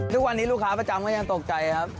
ทุกวันนี้ลูกค้าประจำก็ยังตกใจครับ